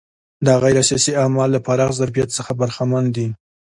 دا غیر سیاسي اعمال له پراخ ظرفیت څخه برخمن دي.